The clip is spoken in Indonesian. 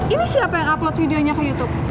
ini siapa yang upload videonya ke youtube